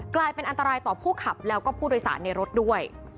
กลายเป็นอันตรายต่อผู้ขับแล้วก็ผู้โดยสารในรถด้วย